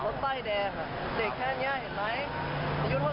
ขับรถไฟแดงอ่ะเด็กแค่นี้อ่ะเห็นไหม